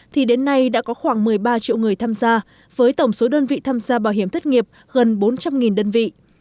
thì đến nay đã có khoảng một mươi ba triệu người tham gia với tổng số đơn vị tham gia bảo hiểm thất nghiệp gần bốn trăm linh đơn vị